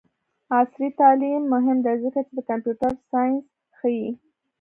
عصري تعلیم مهم دی ځکه چې د کمپیوټر ساینس ښيي.